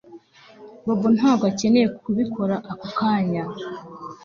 Bobo ntabwo akeneye kubikora ako kanya